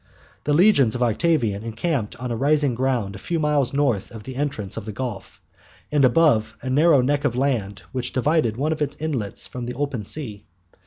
The legions of Octavian encamped on a rising ground a few miles north of the entrance of the Gulf, and above a narrow neck of land which divided one of its inlets from the open sea.